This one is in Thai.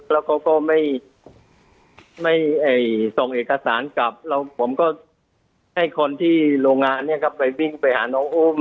แล้วเขาก็ไม่ส่งเอกสารกลับแล้วผมก็ให้คนที่โรงงานเนี่ยครับไปวิ่งไปหาน้องอุ้ม